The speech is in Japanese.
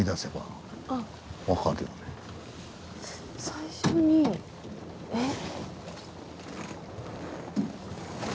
最初にえっ？